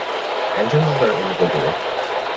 Entrances are individual.